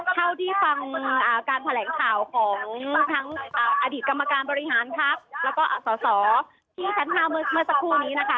เท่าที่ฟังการแถลงข่าวของทั้งอดีตกรรมการบริหารพักแล้วก็อสอที่ชั้น๕เมื่อสักครู่นี้นะคะ